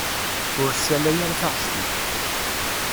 Ur ssalay ara taɣect-ik.